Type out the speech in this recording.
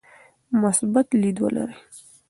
مثبت لید ولرئ.